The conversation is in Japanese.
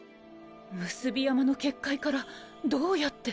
産霊山の結界からどうやって！？